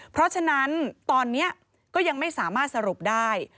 เพราะฉะนั้นตอนนี้ก็ยังไม่สามารถสรุปได้